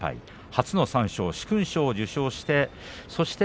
初の三賞殊勲賞を受賞しました。